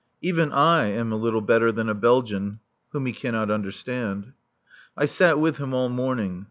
(Even I am a little better than a Belgian whom he cannot understand.) I sat with him all morning.